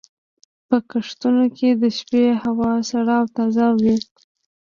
په کښتونو کې د شپې هوا سړه او تازه وي.